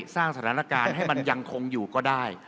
สร้างสถานการณ์ให้มันยังคงอยู่ก็ได้